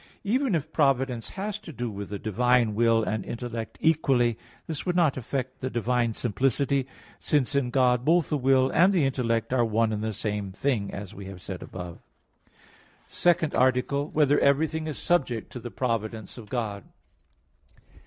Even if Providence has to do with the divine will and intellect equally, this would not affect the divine simplicity, since in God both the will and intellect are one and the same thing, as we have said above (Q. 19). _______________________ SECOND ARTICLE [I, Q. 22, Art. 2] Whether Everything Is Subject to the Providence of God?